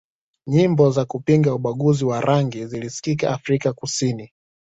nyimbo za kupinga ubaguzi wa rangi zilisikika Afrika kusini